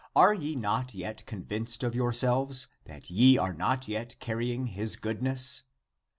Are ye not yet convinced of yourselves, that ye are not yet carrying his goodness?